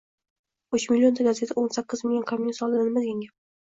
Uch millionta gazeta o‘n sakkiz million kommunist oldida nima degan gap?